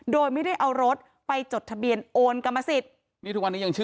โดยไม่ได้เอารถไปจดทะเบียนโอนกรรมสิทธิ์